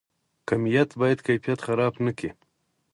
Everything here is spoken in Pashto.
کمیت باید کیفیت خراب نکړي؟